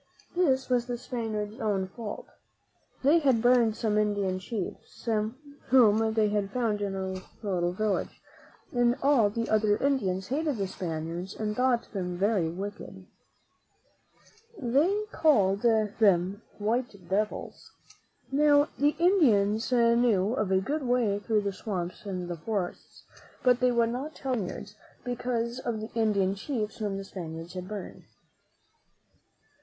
This was the Spaniards' own fault. They had burned some Indian chiefs, whom they had found in a little village, and all i;\^ m ii':^t\ mi 69 THE MEN W H O FOUND AMERICA fSr ' d^. '^y^p^^yj '+; the other Indians hated the Spaniards and thought them very wicked. They called them white devils. Now, the Indians knew of a good way through the swamps and the forests, but they would not tell the Spaniards, because of the Indian chiefs whom the Spaniards had burned.